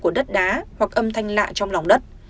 của đất đá hoặc âm thanh lạ trong lòng đất